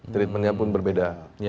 treatmentnya pun berbeda